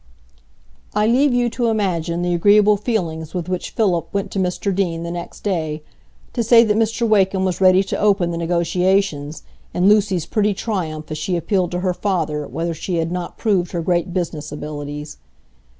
I leave you to imagine the agreeable feelings with which Philip went to Mr Deane the next day, to say that Mr Wakem was ready to open the negotiations, and Lucy's pretty triumph as she appealed to her father whether she had not proved her great business abilities.